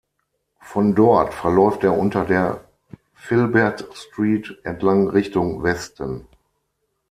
Von dort verläuft er unter der Filbert Street entlang Richtung Westen.